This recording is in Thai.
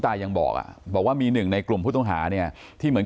ตายังบอกอ่ะบอกว่ามีหนึ่งในกลุ่มผู้ต้องหาเนี่ยที่เหมือน